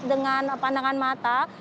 dengan pandangan mata